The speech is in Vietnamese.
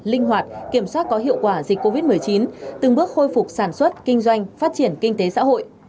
linh hoạt kiểm soát có hiệu quả dịch covid một mươi chín từng bước khôi phục sản xuất kinh doanh phát triển kinh tế xã hội